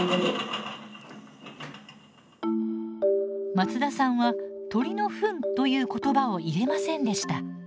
松田さんは「鳥のふん」という言葉を入れませんでした。